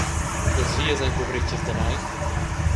Las vias ein cuvretgas da neiv.